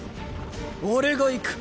俺が行く。